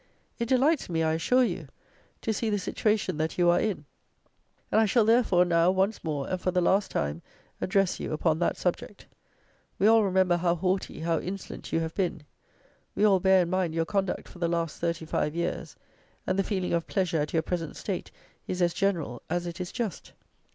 It delights me, I assure you, to see the situation that you are in; and I shall, therefore, now, once more, and for the last time, address you upon that subject. We all remember how haughty, how insolent you have been. We all bear in mind your conduct for the last thirty five years; and the feeling of pleasure at your present state is as general as it is just.